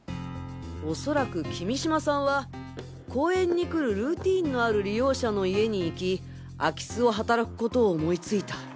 おそらく君島さんは公園に来るルーティンのある利用者の家に行き空き巣を働くことを思いついた。